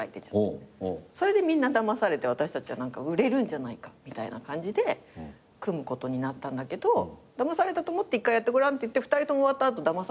それでみんなだまされて私たちは売れるんじゃないかみたいな感じで組むことになったんだけどだまされたと思って一回やってごらんって言って２人とも終わった後だまされたねって言ったの。